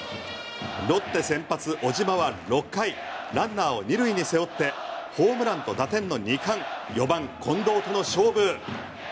ロッテ先発、小島は６回ランナーを２塁に背負ってホームランと打点の２冠４番、近藤との勝負。